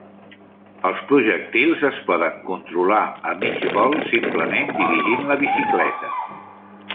Els projectils es poden controlar a mig vol simplement dirigint la bicicleta.